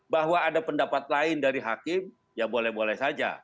bahwa ada pendapat lain dari hakim ya boleh boleh saja